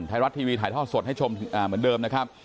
ไทยรัฐทีวีถ่ายท่อสดให้ชมเหมือนเดิมนะครับ